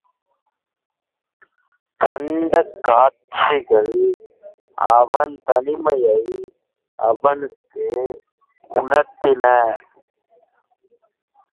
கண்ட காட்சிகள் அவன் தனிமையை அவனுக்கு உணர்த்தின.